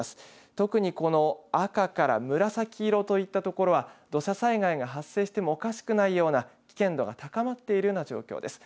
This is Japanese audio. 特にこの赤から紫色といったところは土砂災害が発生してもおかしくないような危険度が高まっているような状況です。